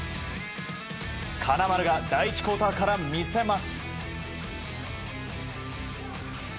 金丸が第１クオーターから見せます。